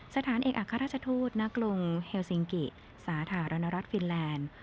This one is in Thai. สถานเอกอัครราชทูตณกรุงเฮลซิงกิสาธารณรัฐฟินแลนด์